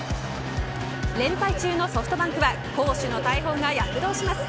連敗中のソフトバンクは攻守の大砲が躍動します。